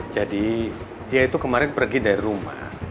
jadi dia itu kemarin pergi dari rumah